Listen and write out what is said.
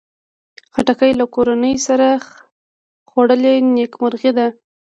خټکی له کورنۍ سره خوړل نیکمرغي ده.